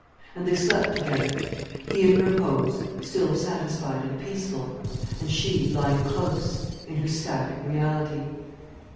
And they slept together, he in repose still satisfied and peaceful, and she lying close in her static reality.